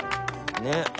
ねっ。